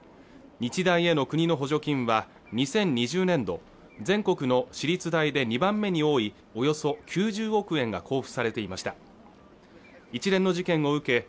日大への国の補助金は２０２０年度全国の私立大で２番目に多いおよそ９０億円が交付されていました一連の事件を受け